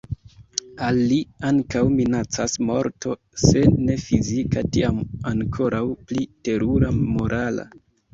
Al li ankaŭ minacas morto, se ne fizika, tiam ankoraŭ pli terura morala.